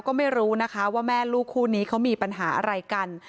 ก็ไม่รู้นะคะว่าแม่ลูกคู่นี้เขามีปัญหาอะไรกัน